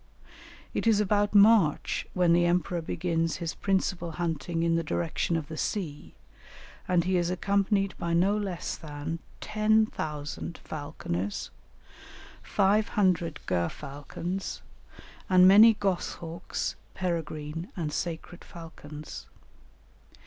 It is about March when the emperor begins his principal hunting in the direction of the sea, and he is accompanied by no less than 10,000 falconers, 500 gerfalcons, and many goshawks, peregrine, and sacred falcons.